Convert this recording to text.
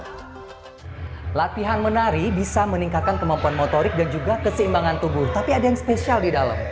latihan menari bisa meningkatkan kemampuan motorik dan juga keseimbangan tubuh tapi ada yang spesial di dalam